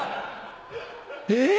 えっ？